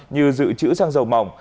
như dự trữ xăng dầu mỏng